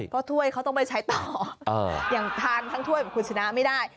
ก็ถ้วยเขาต้องไปใช้ต่ออย่างทานทั้งถ้วยแบบคุณชนะไม่ได้